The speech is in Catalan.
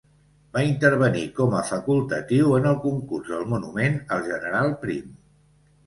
Va intervenir com a facultatiu en el concurs del monument al general Prim.